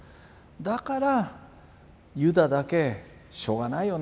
だからユダだけしょうがないよね